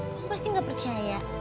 kamu pasti gak percaya